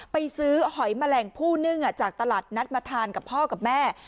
ไปซื้อหอยแมลงผู้นึ่งจากตลาดนัดมาทานกับพ่อกับแม่